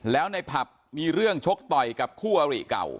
แล้วในผับมีเรื่องชกต่อยกับคู่อริเก่า